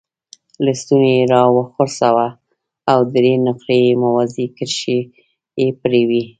لستوڼی یې را وڅرخاوه او درې نقره یي موازي کرښې یې پرې وې.